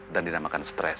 dan dinamakan stres